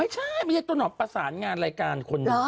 ไม่ใช่ไม่ใช่ต้นหอมประสานงานรายการคน